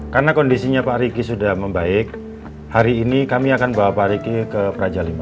karena kondisinya pak riki sudah membaik hari ini kami akan bawa pak riki ke praja lima